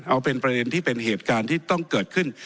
เอาเป็นประเด็นที่เป็นเหตุการณ์ที่ต้องเกิดขึ้น